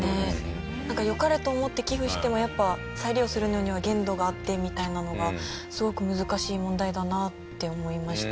良かれと思って寄付してもやっぱ再利用するのには限度があってみたいなのがすごく難しい問題だなって思いました。